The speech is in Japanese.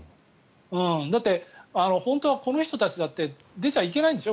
だって、本当はこの人たちだって出ちゃいけないんですよ。